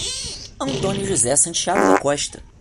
Antônio José Santiago da Costa